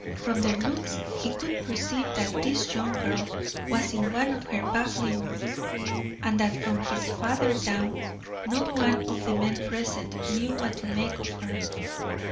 From their looks he could perceive that this young girl was in one of her baffling moods, and that from his father down, not one of the men present knew what to make of her.